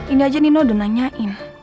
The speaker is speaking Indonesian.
ini aja nino udah nanyain